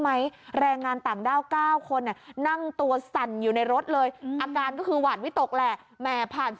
แรงงานต่างด้าว๙คนนั่งตัวสั่นอยู่ในรถเลยอาการก็คือหวานวิตกแหละแหมผ่าน